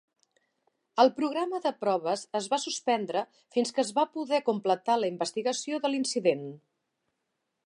El programa de proves es va suspendre fins que es va poder completar la investigació de l'incident.